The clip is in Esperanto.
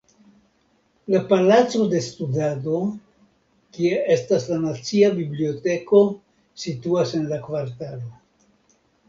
La palaco de studado, kie estas la nacia biblioteko situas en la kvartalo.